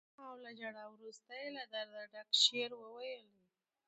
او له ژړا وروسته یې له درده ډک شعر وويلې.